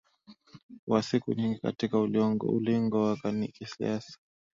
wa siku nyingi katika ulingo wa kisiasa